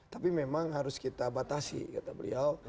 tapi memang harus kita batasi kata beliau